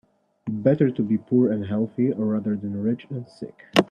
Better to be poor and healthy rather than rich and sick.